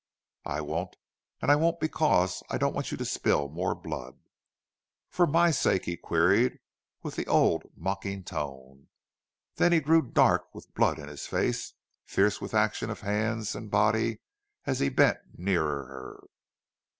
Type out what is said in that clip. "I won't and I won't because I don't want you to spill more blood." "For my sake," he queried, with the old, mocking tone. Then he grew dark with blood in his face, fierce with action of hands and body as he bent nearer her.